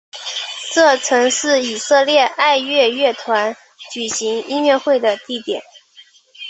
这曾是以色列爱乐乐团举行音乐会的地点。